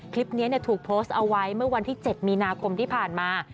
คลิปนี้ถูกโพสต์เอาไว้เมื่อวันที่๗มีนาคมที่ผ่านมา